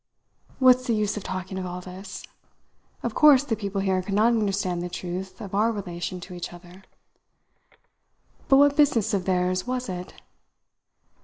What's the use of talking of all this! Of course, the people here could not understand the truth of our relation to each other. But what business of theirs was it?